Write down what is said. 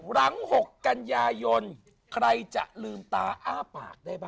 หลัง๖กันยายนใครจะลืมตาอ้าปากได้บ้าง